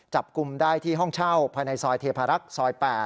จับกลุ่มได้ที่ห้องเช่าภายในซอยเทพารักษ์ซอย๘